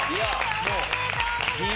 おめでとうございます！